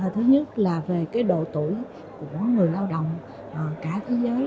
thứ nhất là về độ tuổi của người lao động cả thế giới